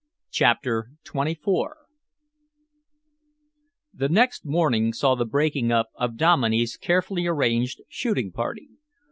CHAPTER XXIV The next morning saw the breaking up of Dominey's carefully arranged shooting party.